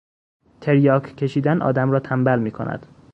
تریاک کشیدن آدم را تنبل میکند.